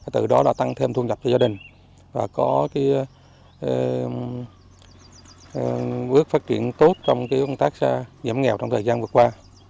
từ đó là tăng thêm thu nhập cho gia đình và có bước phát triển tốt trong công tác giảm nghèo trong thời gian vừa qua